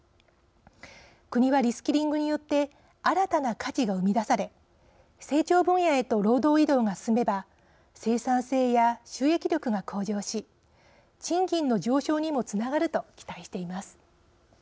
国はリスキリングによって新たな価値が生み出され成長分野へと労働移動が進めば生産性や収益力が向上し賃金の上昇にもつながると期待しています。